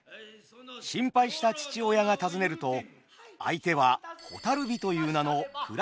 心配した父親が尋ねると相手は蛍火という名の位の高い遊女。